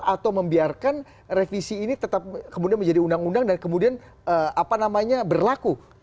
atau membiarkan revisi ini tetap kemudian menjadi undang undang dan kemudian berlaku